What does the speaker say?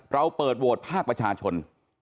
เราเปิดโหวตภาคประชาชน